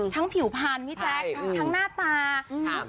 ทั้งผิวผ่านพี่แจ๊คทั้งหน้าตา